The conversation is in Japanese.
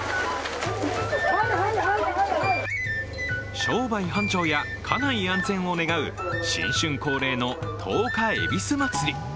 商売繁盛や家内安全を願う新春恒例の十日ゑびすまつり。